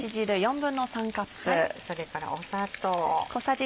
それから砂糖。